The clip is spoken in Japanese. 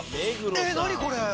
えっ⁉何これ！